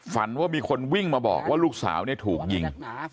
ฝันว่ามีคนวิ่งมาบอกว่าลูกสาวเนี่ยถูกยิง